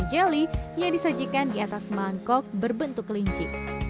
dan jeli yang disajikan di atas mangkok berbentuk kelinci